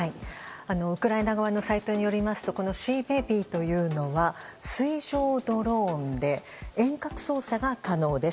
ウクライナ側のサイトによりますとこのシーベビーというのは水上ドローンで遠隔操作が可能です。